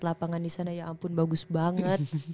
lapangan disana ya ampun bagus banget